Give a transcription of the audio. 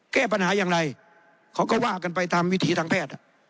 แก้ปัญหาอย่างไรเขาก็ว่ากันไปตามวิถีทางแพทย์